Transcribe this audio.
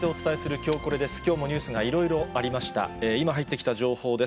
今、入ってきた情報です。